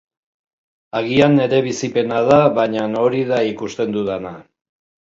Agian nire bizipena da, baina hori da ikusten dudana.